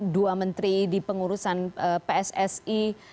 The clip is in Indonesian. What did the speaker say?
dua menteri di pengurusan pssi